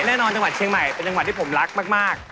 จังหวัดเชียงใหม่เป็นจังหวัดที่ผมรักมาก